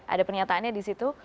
ada pernyataannya di situ